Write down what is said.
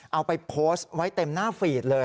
เอาไปโพสต์ไว้เต็มหน้าฟีดเลย